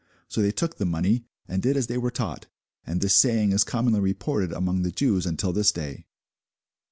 So they took the money, and did as they were taught: and this saying is commonly reported among the Jews until this day.